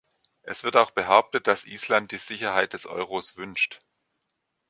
Es wird auch behauptet, dass Island die Sicherheit des Euros wünscht.